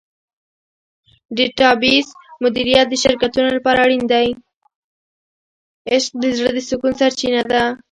عشق د زړه د سکون سرچینه ده.